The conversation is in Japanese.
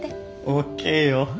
ＯＫよ。